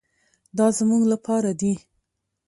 دا زموږ لپاره دي.